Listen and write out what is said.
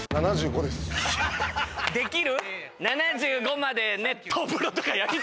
できる？